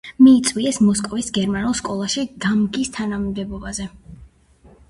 მიიწვიეს მოსკოვის გერმანულ სკოლაში გამგის თანამდებობაზე.